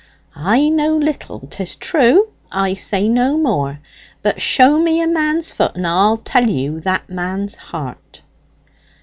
I know little, 'tis true I say no more; but show me a man's foot, and I'll tell you that man's heart."